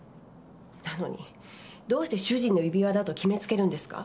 なのにどうして主人の指輪だと決めつけるんですか？